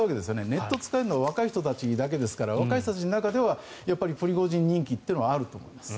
ネットを使えるのは若い人たちだけですから若い人たちの中ではやっぱりプリゴジン人気というのはあると思います。